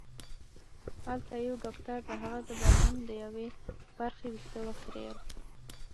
هلته یو ډاکټر د هغه د بدن د یوې برخې وېښته وخریل